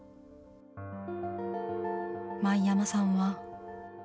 前山さんは。